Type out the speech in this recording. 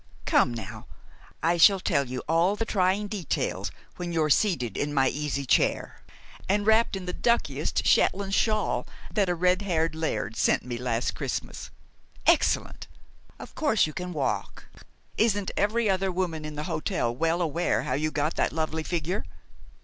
Come, now. I shall tell you all the trying details when you are seated in my easy chair, and wrapped in the duckiest Shetland shawl that a red headed laird sent me last Christmas. Excellent! Of course you can walk! Isn't every other woman in the hotel well aware how you got that lovely figure?